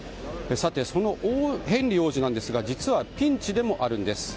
そのヘンリー王子なんですが実はピンチでもあるんです。